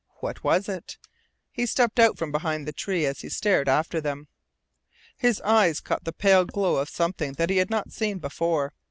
What was it? He stepped out from behind the tree as he stared after them. His eyes caught the pale glow of something that he had not seen before.